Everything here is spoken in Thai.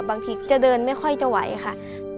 บางทีจะเดินไม่ค่อยจะไหวค่ะ